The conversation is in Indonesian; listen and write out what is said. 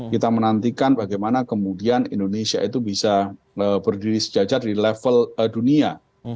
kita menantikan bagaimana kemudian indonesia itu bisa berdiri sejajar di level dunia